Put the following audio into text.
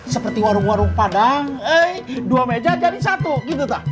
seperti warung warung padang dua meja jadi satu gitu